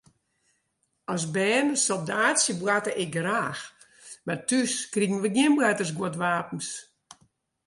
As bern soldaatsjeboarte ik graach, mar thús krigen wy gjin boartersguodwapens.